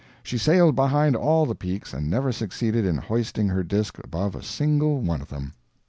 She sailed behind all the peaks and never succeeded in hoisting her disk above a single one of them.